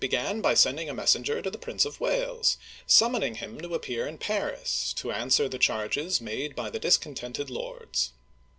began by sending a messenger to the Prince of Wales, summoning him to appear in Paris, to answer the charges made by the discon tented lords.